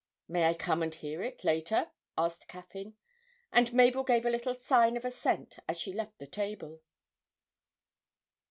'May I come and hear it later?' asked Caffyn, and Mabel gave a little sign of assent as she left the table.